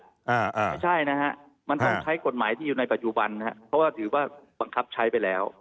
อ่าไม่ใช่นะฮะมันต้องใช้กฎหมายที่อยู่ในปัจจุบันนะฮะเพราะว่าถือว่าบังคับใช้ไปแล้ว